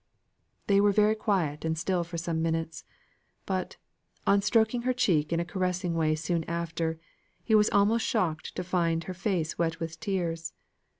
They were very quiet and still for some minutes. But, on stroking her cheek in a caressing way soon after, he was almost shocked to find her face wet with tears.